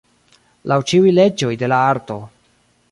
Laŭ ĉiuj leĝoj de la arto.